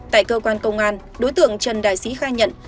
tại cơ quan công an đối tượng trần đại sĩ khai nhận